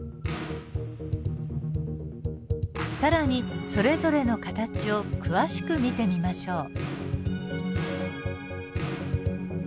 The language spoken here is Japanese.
更にそれぞれの形を詳しく見てみましょう。